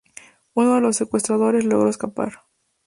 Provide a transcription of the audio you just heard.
Uno de los secuestrados logró escapar.